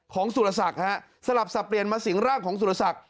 ของสุรษักร์สลับสับเปลี่ยนมาสิ่งร่างของสุรษักร์